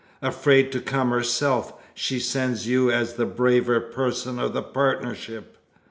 Afraid to come herself, she sends you as the braver person of the partnership.